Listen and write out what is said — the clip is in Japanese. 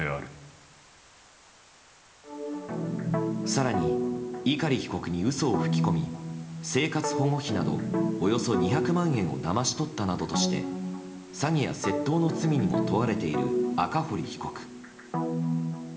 更に、碇被告に嘘を吹き込み生活保護費などおよそ２００万円をだまし取ったなどとして詐欺や窃盗の罪にも問われている赤堀被告。